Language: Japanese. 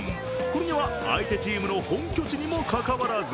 これには、相手チームの本拠地にもかかわらず